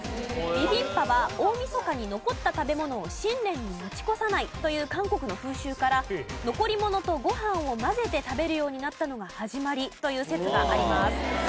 ビビンパは大晦日に残った食べ物を新年に持ち越さないという韓国の風習から残り物とご飯を混ぜて食べるようになったのが始まりという説があります。